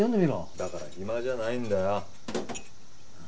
だから暇じゃないんだよ。